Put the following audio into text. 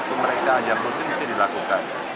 pemeriksaan yang rutin mesti dilakukan